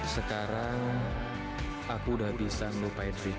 sekarang aku sudah bisa melupai trita